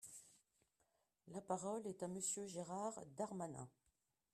La parole est à Monsieur Gérald Darmanin.